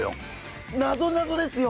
なぞなぞですよ。